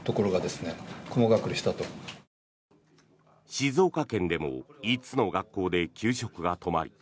静岡県でも５つの学校で給食が止まり